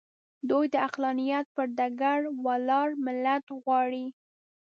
دوی د عقلانیت پر ډګر ولاړ ملت غواړي.